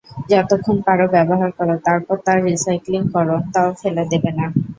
যতক্ষণ পারো ব্যবহার করো, তারপর তার রিসাইক্লিং করো, তাও ফেলে দেবে না।